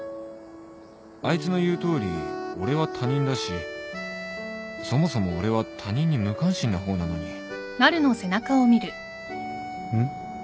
あいつの言うとおり俺は他人だしそもそも俺は他人に無関心な方なのにん？